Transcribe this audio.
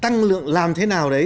tăng lượng làm thế nào đấy